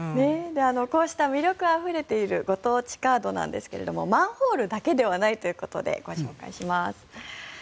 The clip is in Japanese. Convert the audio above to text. こうした魅力あふれているご当地カードなんですがマンホールだけではないということでご紹介します。